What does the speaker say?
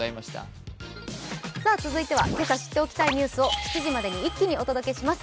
続いてはけさ知っておきたいニュースを７時までに一気にお届けします。